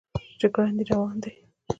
چې ګړندی روان دی.